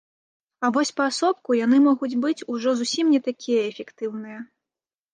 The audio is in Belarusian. А вось паасобку яны могуць быць ужо зусім не такія эфектыўныя.